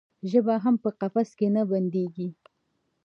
ژبه هم په قفس کې نه بندیږي.